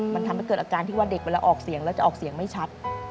มันทำให้เกิดอาการที่ว่าเด็กเวลาออกเสียงแล้วจะออกเสียงไม่ชัด